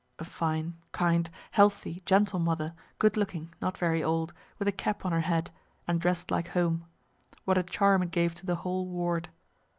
(A fine, kind, healthy, gentle mother, good looking, not very old, with a cap on her head, and dress'd like home what a charm it gave to the whole ward.)